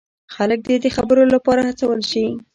خلک دې د خبرو لپاره هڅول شي.